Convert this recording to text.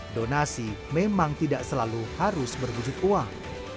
donasi memang tidak selalu harus berwujud uang